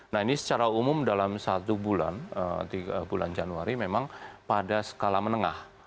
nah ini secara umum dalam satu bulan januari memang pada skala menengah